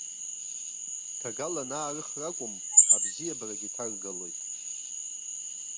Ҭагалан аарыхра акәым, абзиабарагьы ҭаргалоит.